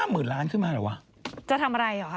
ไม่เคยคิดว่าต่อไป